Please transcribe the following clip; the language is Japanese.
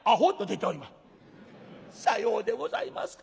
「さようでございますか。